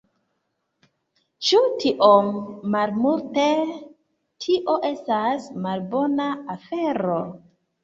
Ĉu tiom malmulte... tio estas malbona afero